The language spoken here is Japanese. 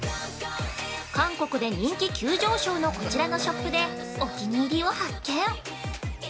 ◆韓国で人気急上昇のこちらのショップでお気に入りを発見！